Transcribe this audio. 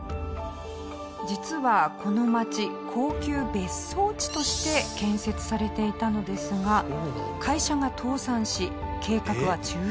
実はこの町高級別荘地として建設されていたのですが会社が倒産し計画は中止に。